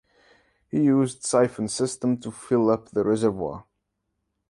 He used siphon system to fill up the reservoir.